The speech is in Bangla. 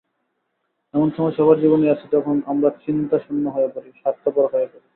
এমন সময় সবার জীবনেই আসে যখন আমরা চিন্তাশূন্য হয়ে পড়ি, স্বার্থপর হয়ে পড়ি।